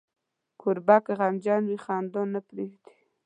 کوربه که غمجن وي، خندا نه پرېږدي.